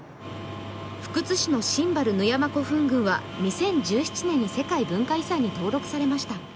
福津市の新原・奴山古墳群は２０１７年に世界文化遺産に登録されました。